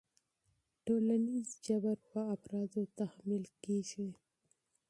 ټولنیز جبر په افرادو تحمیل کېږي.